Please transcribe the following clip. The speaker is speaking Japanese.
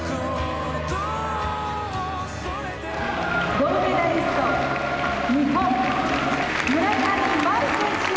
「銅メダリスト日本村上茉愛選手」。